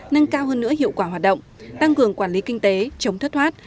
nâng cao hơn nữa hiệu quả hoạt động tăng cường quản lý kinh tế chống thất thoát